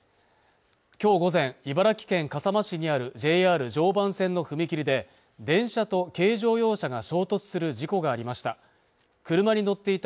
きょう午前茨城県笠間市にあるＪＲ常磐線の踏切で電車と軽乗用車が衝突する事故がありました